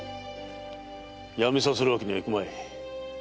やめさせるわけにはいくまい。